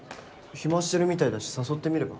暇してるみたいだし誘ってみれば？